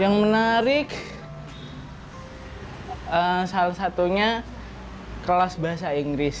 yang menarik salah satunya kelas bahasa inggris